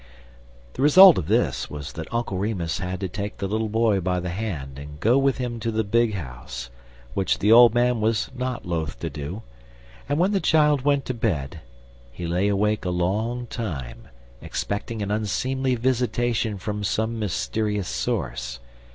The result of this was that Uncle Remus had to take the little boy by the hand and go with him to the "big house," which the old man was not loath to do; and, when the child went to bed, he lay awake a long time expecting an unseemly visitation from some mysterious source.